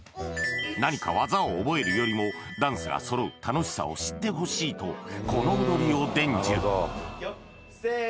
何か技を覚えるよりもダンスが揃う楽しさを知ってほしいとこの踊りを伝授いくよ